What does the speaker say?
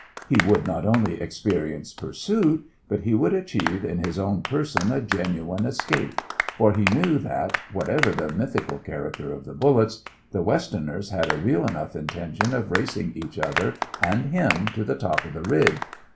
He would not only experience pursuit, but he would achieve in his own person a genuine escape, for he knew that, whatever the mythical character of the bullets, the Westerners had a real enough intention of racing each other and him to the top of the ridge.